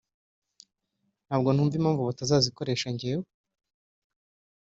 ntabwo numva impamvu batazikoresha njyewe